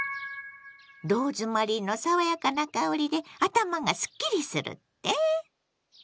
「ローズマリーの爽やかな香りで頭がすっきりする」って？